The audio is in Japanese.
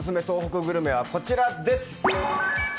東北グルメはこちらです。